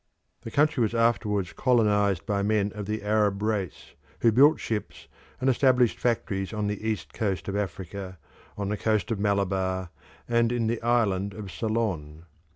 The country was afterwards colonised by men of the Arab race, who built ships and established factories on the east coast of Africa, on the coast of Malabar, and in the island of Ceylon.